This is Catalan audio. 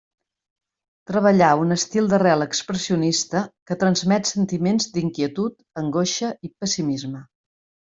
Treballà un estil d'arrel expressionista que transmet sentiments d'inquietud, angoixa i pessimisme.